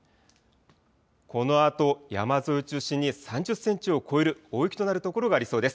このあと山沿い中心に３０センチを超える大雪となる所がありそうです。